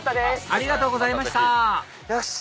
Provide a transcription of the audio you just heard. ありがとうございましたよし！